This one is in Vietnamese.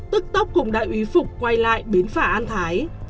tức tốc cùng đại úy phục quay lại bến phả an thái